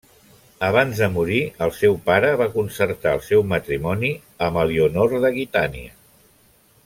Abans de morir, el seu pare va concertar el seu matrimoni amb Elionor d'Aquitània.